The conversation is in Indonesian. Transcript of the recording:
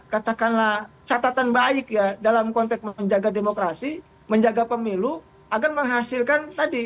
katakanlah catatan baik ya dalam konteks menjaga demokrasi menjaga pemilu agar menghasilkan tadi